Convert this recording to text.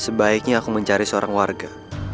sebaiknya aku mencari seorang warga